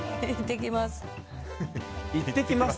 いってきます。